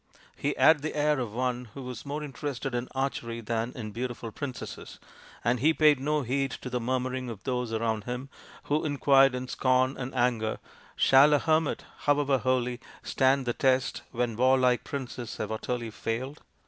He had the air of one who was more interested in archery than in beautiful princesses, and he paid no heed to the murmuring of those around him, who inquired in scorn and anger, " Shall a hermit, however holy, stand the test when warlike princes have utterly failed